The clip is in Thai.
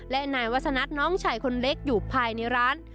และนายวัฒนัทน้องชายคนเล็กอยู่ภายในร้าน